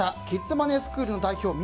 キッズマネースクールの代表